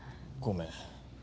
ごめん。